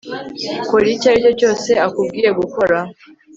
Kora icyo aricyo cyose akubwiye gukora